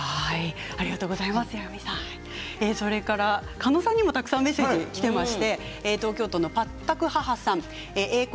狩野さんにもメッセージがきています。